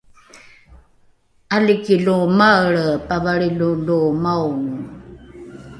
’aliki lo maelre pavalrilo lo maongo